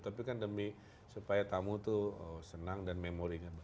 tapi kan demi supaya tamu tuh senang dan memori